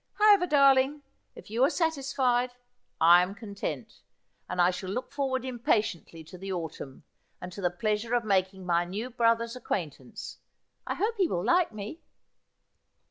' However, darling, if you are satisfied, I am content ; and I shall look forward impatiently to the autumn, and to the pleasure of making my new brother's acquaintance. I hope he will like me.'